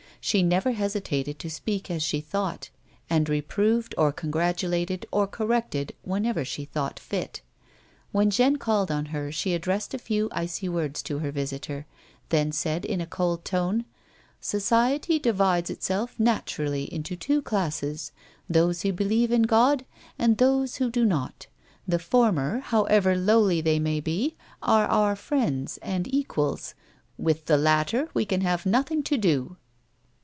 She never hesitated to speak as she thought, and reproved, or congratulated, or corrected whenever she thought fit. When Jeanne called on her she addressed a few icy words to her visitoi , then said in a cold tone ;" Society divides itself naturally into two classes ; those who believe in God. and those who do not. The former, however lowly they may be, are our friends and equals ; with the latter we can have nothing to do."